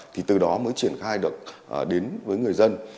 thì từ đó mới triển khai được đến với người dân